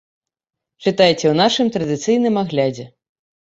Чытайце ў нашым традыцыйным аглядзе.